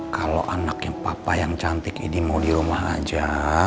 kalau anak yang papa yang cantik ini mau di rumah aja